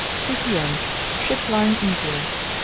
2 p.m.—Ship lying easier.